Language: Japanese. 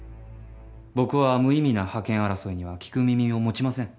僕は無意味な覇権争いには聞く耳を持ちません。